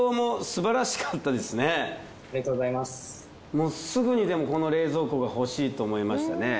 もうすぐにでもこの冷蔵庫がほしいと思いましたね。